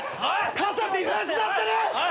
傘ディフェンスなってる！